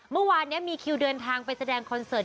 เมื่อวานนี้มีคิวเดินทางไปแสดงคอนเสิร์ต